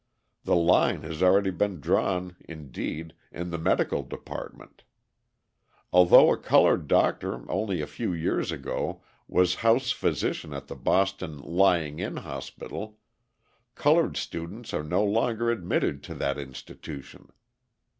The line has already been drawn, indeed, in the medical department. Although a coloured doctor only a few years ago was house physician at the Boston Lying in Hospital, coloured students are no longer admitted to that institution.